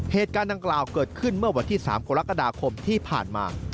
เหตุการณ์ดังกล่าวเกิดขึ้นเมื่อวันที่๓กรกฎาคมที่ผ่านมา